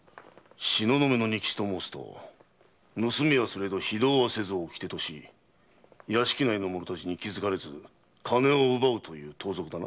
東雲の仁吉と申すと「盗みはすれど非道はせず」を掟とし屋敷内の者達に気づかれずに金を奪うという盗賊だな。